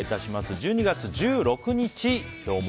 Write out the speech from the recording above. １２月１６日、今日も。